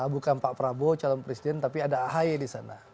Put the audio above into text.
bukan pak prabowo calon presiden tapi ada ahy di sana